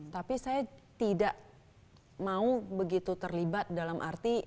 tapi saya tidak mau begitu terlibat dalam arti